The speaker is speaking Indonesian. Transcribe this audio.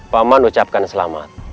paman ucapkan selamat